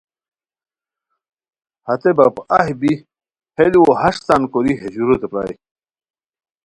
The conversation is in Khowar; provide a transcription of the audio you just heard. ہتے باپ اہی بی ہے لوؤ ہݰ تان ہے ژوروتے پرائے